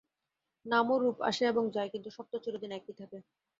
নাম ও রূপ আসে এবং যায়, কিন্তু সত্ত্ব চিরদিন একই থাকে।